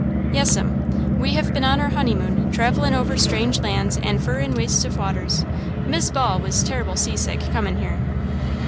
"Yes'm, we hev been on our honeymoon, travellin' over strange lands an' furrin wastes of waters. Mis' Ball was terrible sea sick comin' here."